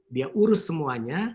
dia urus semuanya